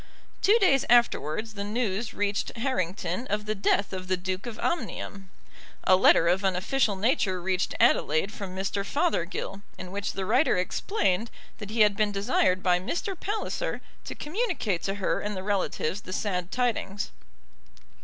Two days afterwards the news reached Harrington of the death of the Duke of Omnium. A letter of an official nature reached Adelaide from Mr. Fothergill, in which the writer explained that he had been desired by Mr. Palliser to communicate to her and the relatives the sad tidings.